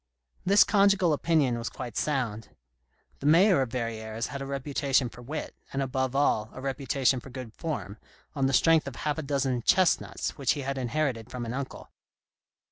This conjugal opinion was quite sound. The Mayor of Verrieres had a reputation for wit, and above all, a reputation for good form, on the strength of half a dozen "chestnuts" which he had inherited from an uncle.